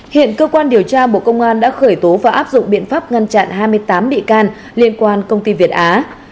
hiện cơ quan điều tra bộ công an đã khởi tố và áp dụng biện pháp ngăn chặn hai mươi tám bị can liên quan công ty việt á